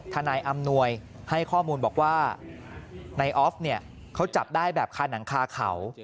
นายอำนวยให้ข้อมูลบอกว่านายออฟเนี่ยเขาจับได้แบบคาหนังคาเขา